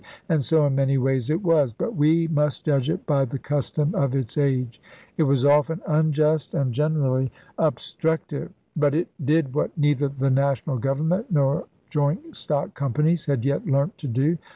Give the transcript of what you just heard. And so, in many ways, it was. But we must judge it by the custom of its age. It was often unjust and generally obstructive. But it did what neither the national government nor joint stock companies had yet learnt to do.